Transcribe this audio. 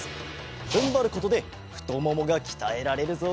ふんばることでふとももがきたえられるぞ。